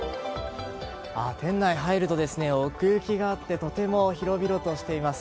店内入ると奥行きがあってとても広々としています。